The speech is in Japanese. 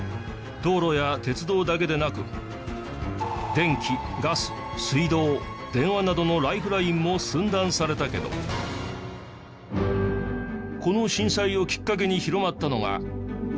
道路や鉄道だけでなく電気ガス水道電話などのライフラインも寸断されたけどこの震災をきっかけに広まったのが。